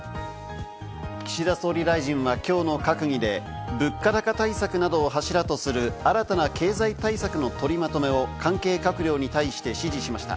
岸田総理大臣はきょうの閣議で、物価高対策などを柱とする新たな経済対策の取りまとめを関係閣僚に対して指示しました。